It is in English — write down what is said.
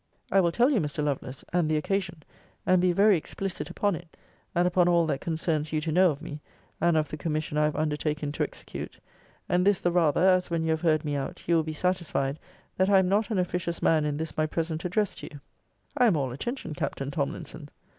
I will tell you, Mr. Lovelace, and the occasion; and be very explicit upon it, and upon all that concerns you to know of me, and of the commission I have undertaken to execute; and this the rather, as when you have heard me out, you will be satisfied, that I am not an officious man in this my present address to you. I am all attention, Captain Tomlinson.